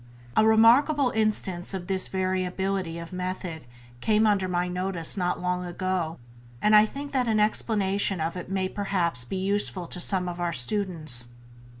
A remarkable instance of this variability if method came under my notice not long ago, and I think that an explanation of it may perhaps be useful to some of our students.